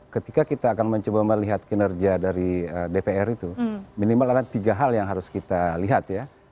ketika kita akan mencoba melihat kinerja dari dpr itu minimal ada tiga hal yang harus kita lihat ya